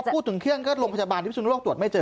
พูดถึงเครื่องก็โรงพยาบาลพิสุนโลกตรวจไม่เจอ